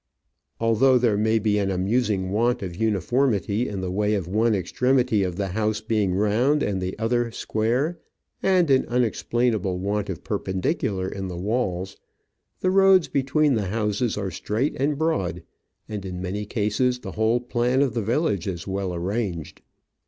Although there may be an amusing want of uniformity in the way of one extremity of the house being round and the other square, and an unexplainable want of perpendicular in the walls, the roads between the houses are straight and broad, and in many cases the whole plan of the village is well arranged.